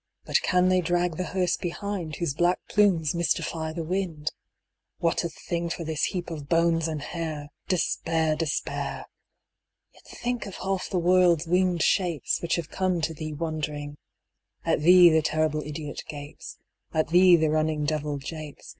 But can they drag the hearse behind, Whose black plumes mystify the wind ? What a thing for this heap of bones and hair ! Despair, despair ! Yet think of half the world's winged shapes Which have come to thee wondering : At thee the terrible idiot gapes, At thee the running devil japes.